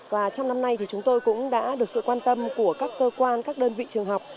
và trong năm nay thì chúng tôi cũng đã được sự quan tâm của các cơ quan các đơn vị trường học